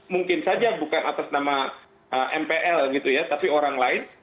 mungkin saja bukan atas nama mpl gitu ya tapi orang lain